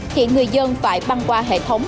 thì người dân phải băng qua hệ thống